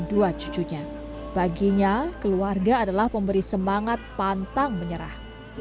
dua cucunya baginya keluarga adalah pemberi semangat pantang menyerah